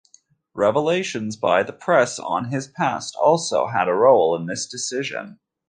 Revelations by the press on his past also had a role in this decision.